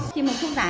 khi mình thúc giả nhá